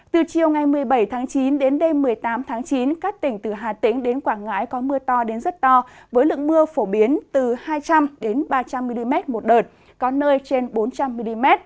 từ chiều ngày một mươi bảy tháng chín đến đêm một mươi tám tháng chín các tỉnh từ hà tĩnh đến quảng ngãi có mưa to đến rất to với lượng mưa phổ biến từ hai trăm linh ba trăm linh mm một đồng